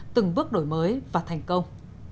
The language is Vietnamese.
từng bước đổi mới và thành công